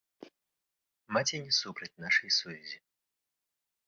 Маці не супраць нашай сувязі.